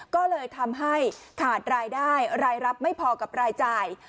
ก็เลยทำให้ขาดรายได้รายรับไม่พอกับรายจ่าย